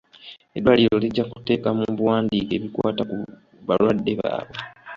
Eddwaliro lijja kuteeka mu buwandiike ebikwata ku balwadde babwe.